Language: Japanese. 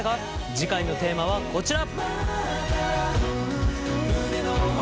次回のテーマはこちら。